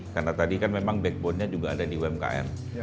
karena tadi kan memang backbone nya juga ada di umkm